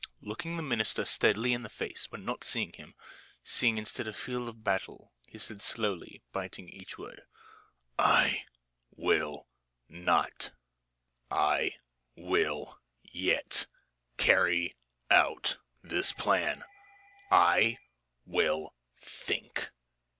Looking the minister steadily in the face, but not seeing him, seeing instead a field of battle, he said slowly, biting each word: "I will yet carry out this plan. I will think.